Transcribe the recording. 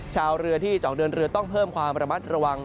ชาวเรือที่จะออกเดินเรือต้องเพิ่มความระมัดระวัง